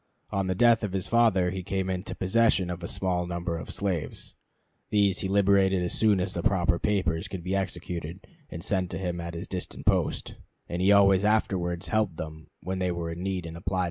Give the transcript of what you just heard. On the death of his father he came into possession of a small number of slaves. These he liberated as soon as the proper papers could be executed and sent to him at his distant post; and he always afterwards helped them when they were in need and applied to him.